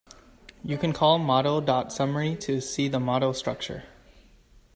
You can call model dot summary to see the model structure.